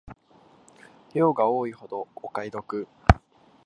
量が多いほどお買い得